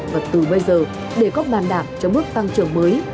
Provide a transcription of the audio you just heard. và từ bây giờ để có bàn đạp cho mức tăng trưởng mới